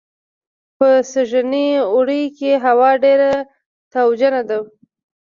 په سږني اوړي کې هوا ډېره تاوجنه وه